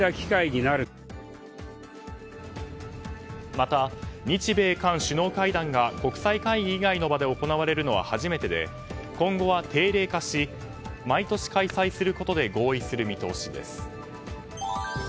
また、日米韓首脳会談が国際会議以外の場で行われるのは初めてで今後は定例化し毎年、開催することで合意する見通しです。